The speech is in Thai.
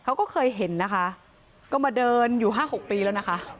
เค้าก็เคยเผลอนะคะก็มาเดินอยู่๕๖ปีแล้วนะคะ